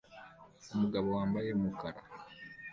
umugabo wambaye umukara